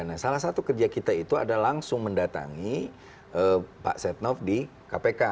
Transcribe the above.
nah salah satu kerja kita itu adalah langsung mendatangi pak setnov di kpk